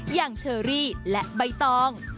อย่างเชอรี่และใบตอง